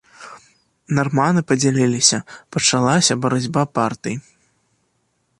Нарманы падзяліліся, пачалася барацьба партый.